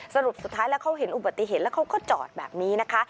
สรุปสุดท้ายแล้วเขาเห็นอุบัติเหตุแล้วเขาก็จอดแบบนี้นะคะ